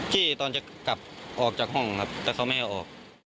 ที่ตอนจะกลับออกจากห้องครับแต่เขาไม่ให้ออก